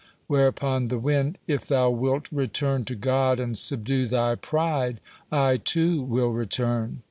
Whereupon the wind: "If thou wilt return to God, and subdue thy pride, I, too, will return."